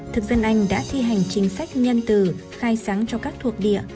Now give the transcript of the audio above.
thực dân anh đã thi hành chính sách nhân từ khai sáng cho các thuộc địa